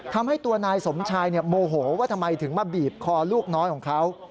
ทำให้ตัวนายสมชายโมโหว่าทำไมถึงมาบีบคอลูกน้อยของเขา